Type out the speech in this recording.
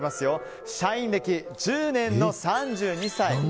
社員歴１０年の３２歳。